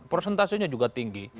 presentasenya juga tinggi